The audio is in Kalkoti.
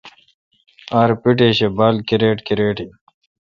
اں پیٹش اے°بال کرِٹ کرِٹ این